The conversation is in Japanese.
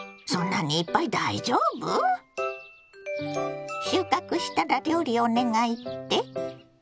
そんなにいっぱい大丈夫？収穫したら料理お願いって？